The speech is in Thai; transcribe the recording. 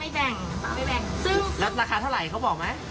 ไอ้เจ้า๒๖มันไม่มีนะตอนนั้นเขาบอกว่าแต่ป้ามีนะ๒๖เนี่ย